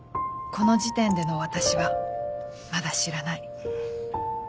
この時点での私はまだ知らない。